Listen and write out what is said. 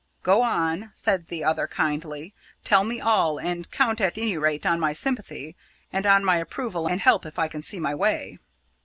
"Go on!" said the other kindly. "Tell me all, and count at any rate on my sympathy, and on my approval and help if I can see my way."